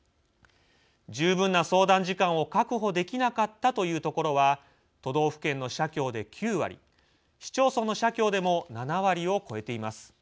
十分な相談時間を確保できなかったというところは都道府県の社協で９割市町村の社協でも７割を超えています。